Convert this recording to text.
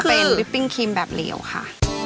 เป็นลิปปิ้งครีมแบบเหลวค่ะ